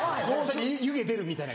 湯気出るみたいな。